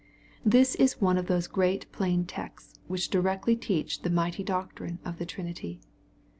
This is one of those great plain texts which directly teach the mighty doctrine of the Trinity.